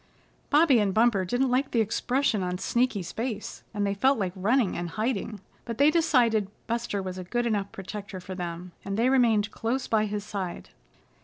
Bobby and Bumper didn't like the expression on Sneaky's face, and they felt like running and hiding, but they decided Buster was a good enough protector for them, and they remained close by his side.